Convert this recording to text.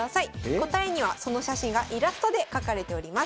答えにはその写真がイラストで描かれております。